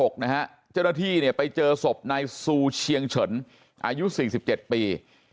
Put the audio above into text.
เจ้าหน้าที่ไปเจอศพนายซูเชียงเฉินอายุ๔๗ปี